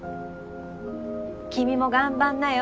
君も頑張んなよ。